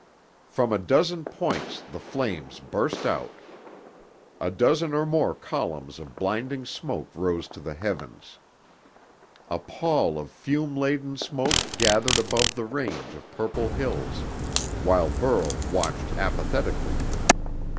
From a dozen points the flames burst out. A dozen or more columns of blinding smoke rose to the heavens. A pall of fume laden smoke gathered above the range of purple hills, while Burl watched apathetically.